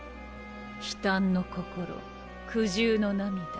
悲嘆の心苦渋の涙。